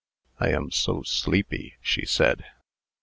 "I am so sleepy," she said.